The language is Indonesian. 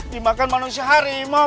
dimakan manusia harimau